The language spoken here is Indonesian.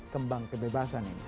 kembang kebebasan ini